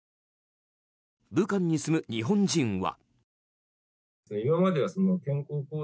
武漢に住む日本人は。